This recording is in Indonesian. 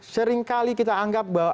seringkali kita anggap bahwa